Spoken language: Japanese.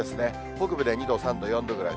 北部で２度、３度、４度ぐらい。